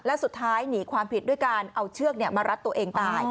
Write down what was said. และสุดท้ายหนีความผิดด้วยการเอาเชือกมารัดตัวเองตาย